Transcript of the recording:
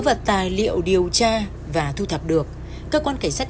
và tài liệu điều tra và thu thập được cơ quan cảnh sát